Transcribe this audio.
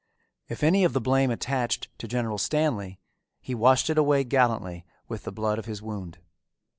If any of the blame attached to General Stanley, he washed it away gallantly with the blood of his wound.